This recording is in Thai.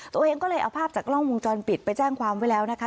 ตัวเองก็เลยเอาภาพจากกล้องวงจรปิดไปแจ้งความไว้แล้วนะคะ